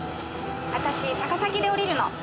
私高崎で降りるの。